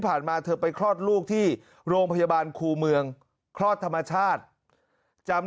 มาเธอไปคลอดลูกที่โรงพยาบาลครูเมืองคลอดธรรมชาติจำ